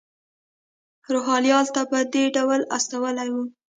روهیال ته په دې ډول استولی و.